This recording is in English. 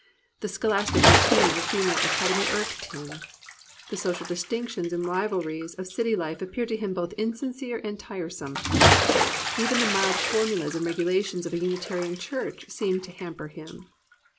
The scholastic routine of a Female Academy irked him. The social distinctions and rivalries of city life appeared to him both insincere and tire some. Even the mild formulas and regulations of a Unitarian chiu*ch seemed to hamper him.